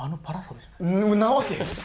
んなわけ！